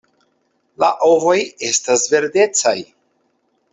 La ovoj estas verdecaj.